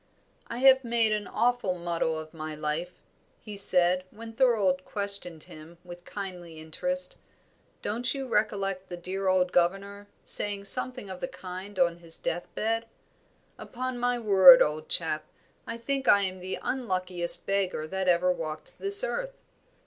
"I have made an awful muddle of my life," he said, when Thorold questioned him with kindly interest. "Don't you recollect the dear old governor said something of the kind on his death bed? Upon my word, old chap, I think I am the unluckiest beggar that ever walked this earth.